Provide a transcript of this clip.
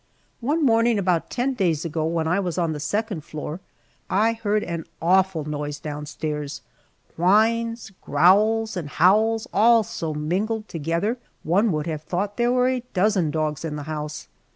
One morning about ten days ago when I was on the second floor, I heard an awful noise downstairs whines, growls, and howls all so mingled together one would have thought there were a dozen dogs in the house.